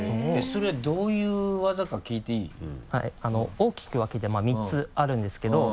大きく分けて３つあるんですけど。